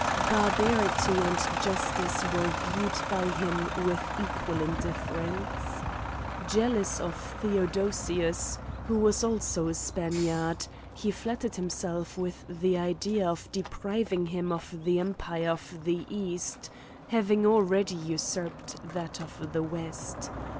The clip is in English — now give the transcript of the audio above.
Barbarity and justice were viewed by him with equal indifference. Jealous of Theodosi us, who was also a Spaniard, he flattered himself with the idea of depriving him of the empire of the east, having already usurped that of the west.